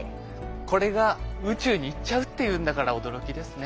これが宇宙に行っちゃうっていうんだから驚きですね。